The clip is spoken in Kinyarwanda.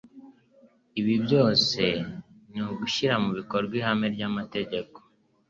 Ibi byose ni ugushyira mu bikorwa ihame ry'amategeko,